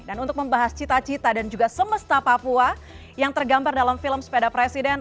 dan untuk membahas cita cita dan juga semesta papua yang tergambar dalam film sepeda presiden